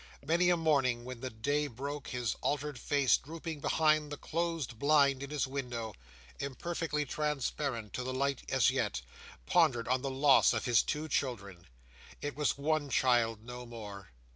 Many a morning when the day broke, his altered face, drooping behind the closed blind in his window, imperfectly transparent to the light as yet, pondered on the loss of his two children. It was one child no more.